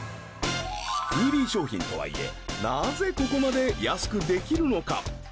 ＰＢ商品とはいえなぜここまで安くできるのか